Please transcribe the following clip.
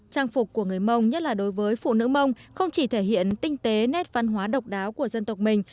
trang phục của người mông nhất là đối với phụ nữ mông không chỉ thể hiện tinh tế nét văn hóa độc đáo của dân tộc mình